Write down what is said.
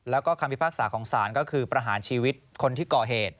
แล้วก็คำพิพากษาของศาลก็คือประหารชีวิตคนที่ก่อเหตุ